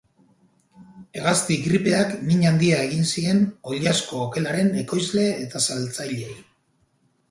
Hegazti gripeak min handia egin zien oilasko okelaren ekoizle eta saltzaileei.